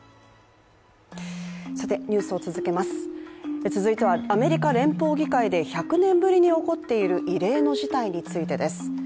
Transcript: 続いてはアメリカ連邦議会で１００年ぶりに起こっている異例の事態についてです。